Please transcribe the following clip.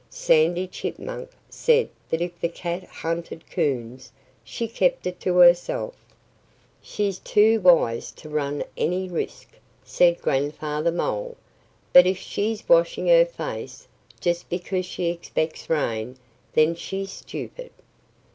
Sandy Chipmunk said that if the cat hunted coons, she kept it to herself. "She's too wise to run any risk," said Grandfather Mole. "But if she's washing her face just because she expects rain, then she's stupid.